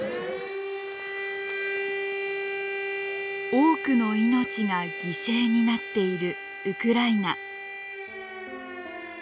多くの命が犠牲になっているウクライナ。